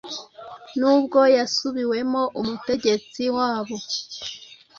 Nubwo yasubiwemo umutegetsi wabo